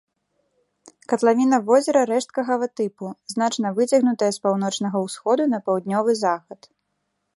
Катлавіна возера рэшткавага тыпу, значна выцягнутая з паўночнага ўсходу на паўднёвы захад.